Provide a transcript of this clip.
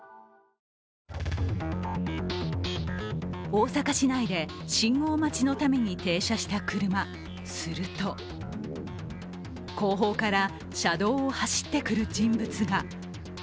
大阪市内で信号待ちのために停車した車、すると後方から車道を走ってくる人物が。